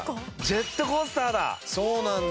ジェットコースターやん